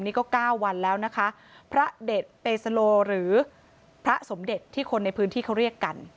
นี่ก็เก้าวันแล้วนะคะพระเด็ดเปสโลหรือพระสมเด็จที่คนในพื้นที่เขาเรียกกัน